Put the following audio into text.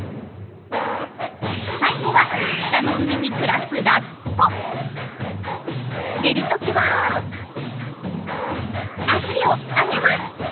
最後は北の海に暮らす寝る時は足を上げます。